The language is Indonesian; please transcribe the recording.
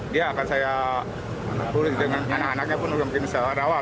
dia akan saya pulih dengan anak anaknya pun belum bisa rawat